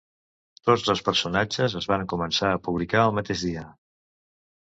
Tots dos personatges es varen començar a publicar el mateix dia.